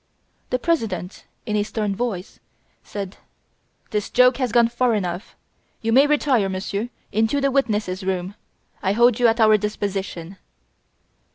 The President in a stern voice, said: "This joke has gone far enough. You may retire, Monsieur, into the witnesses' room. I hold you at our disposition."